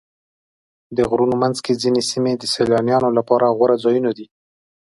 د غرونو منځ کې ځینې سیمې د سیلانیانو لپاره غوره ځایونه دي.